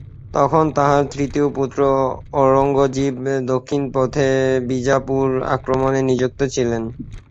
তখন তাঁহার তৃতীয় পুত্র ঔরংজীব দক্ষিণাপথে বিজাপুর আক্রমণে নিযুক্ত ছিলেন।